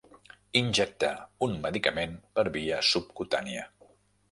Injectar un medicament per via subcutània.